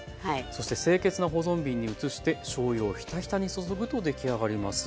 そして清潔な保存瓶に移してしょうゆをひたひたに注ぐと出来上がります。